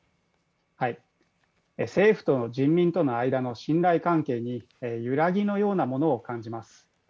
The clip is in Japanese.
政府と人民との間の信頼関係に揺らぎのようなものを感じます。